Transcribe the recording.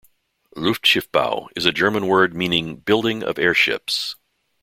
'Luftschiffbau' is a German word meaning "building of airships".